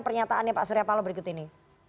pernyataannya pak suryapalo berikut ini